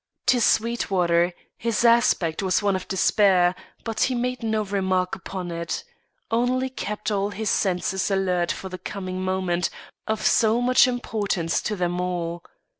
To Sweetwater, his aspect was one of despair, but he made no remark upon it; only kept all his senses alert for the coming moment, of so much importance to them all.